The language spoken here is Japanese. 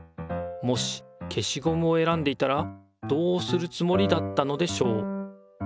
もし消しゴムを選んでいたらどうするつもりだったのでしょう？